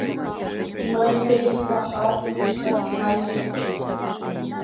Maiteipaha tuichaháicha.